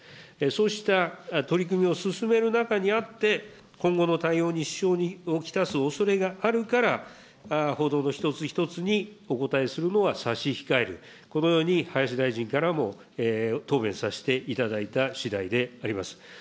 そうした取り組みを進める中にあって、今後の対応に支障を来すおそれがあるから、報道の一つ一つにお答えするのは差し控える、このように林大臣からも答弁させていただいたしだいであります。